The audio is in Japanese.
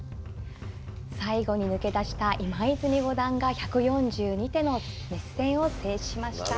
最後に抜け出した今泉五段が１４２手の熱戦を制しました。